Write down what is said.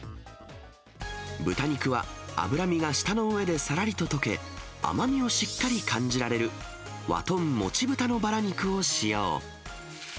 豚肉が脂身が舌の上でさらりと溶け、甘みをしっかり感じられる和豚もちぶたのばら肉を使用。